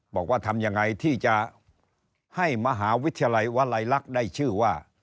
บอกว่าทำยังไงที่จะให้มหาวิทยาลัยวลัยลักษณ์ได้ชื่อว่า